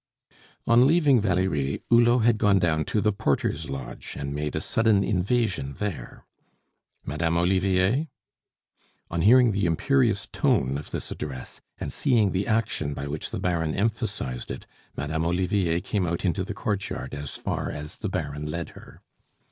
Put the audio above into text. On leaving Valerie, Hulot had gone down to the porter's lodge and made a sudden invasion there. "Madame Olivier?" On hearing the imperious tone of this address, and seeing the action by which the Baron emphasized it, Madame Olivier came out into the courtyard as far as the Baron led her.